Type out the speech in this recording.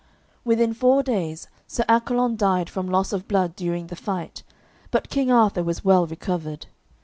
Within four days Sir Accolon died from loss of blood during the fight, but King Arthur was well recovered.